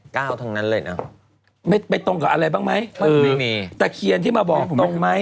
ทั้งนั้นเลยนะไม่ไปตรงกับอะไรบ้างไหมไม่มีตะเคียนที่มาบอกตรงไหม